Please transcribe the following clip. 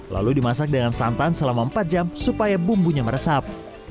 lalu dimasak dengan santan selama empat jam supaya bumbunya meresap